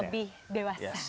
yang lebih dewasa